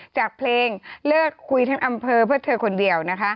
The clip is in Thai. จากเพลงเลิกคุยทั้งอำเภอเพื่อเธอคนเดียวนะคะ